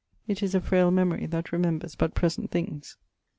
It is a fraile memorie that remembers but present things.'